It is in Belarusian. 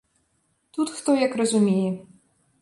Тут хто як зразумее.